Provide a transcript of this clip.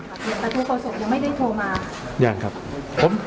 แต่ตัวโครสกยังไม่ได้โทรมา